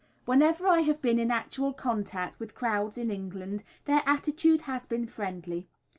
Whenever I have been in actual contact with crowds in England, their attitude has been friendly.